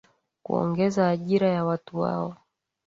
kuongeza ajira ya watu wao